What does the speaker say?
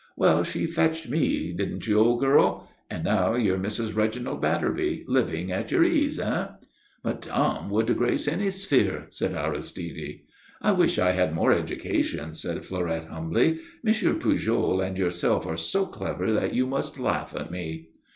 Well, she fetched me, didn't you, old girl? And now you're Mrs. Reginald Batterby, living at your ease, eh?" "Madame would grace any sphere," said Aristide. "I wish I had more education," said Fleurette, humbly. "M. Pujol and yourself are so clever that you must laugh at me."